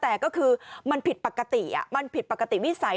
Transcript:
แต่ก็คือมันผิดปกติมันผิดปกติวิสัย